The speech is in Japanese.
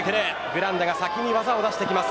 グランダが先に技を出していきます。